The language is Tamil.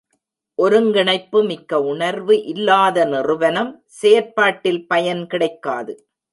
ஒருங்கிணைப்பு மிக்க உணர்வு இல்லாத நிறுவனம் செயற்பாட்டில் பயன் கிடைக்காது.